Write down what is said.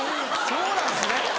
・そうなんですね！